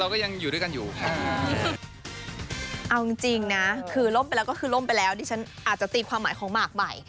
ก็คือล่มไปแล้วดิฉันอาจจะตีความหมายของมากใหม่